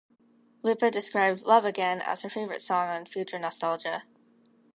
Lipa described "Love Again" as her favourite song on "Future Nostalgia".